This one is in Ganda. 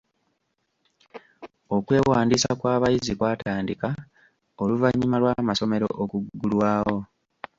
Okwewandiisa kw’abayizi kwatandika oluvannyuma lw’amasomero okuggulwawo